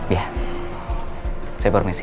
iya saya permisi